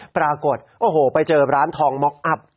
ปรากฏโอ้โหไปเจอร้านทองม็อกอัพ